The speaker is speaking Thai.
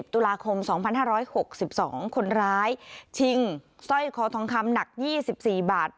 ๒๐ตุลาคมสองพันห้าร้อยหกสิบสองคนร้ายชิงสร้อยคอทองคำหนักยี่สิบสี่บาท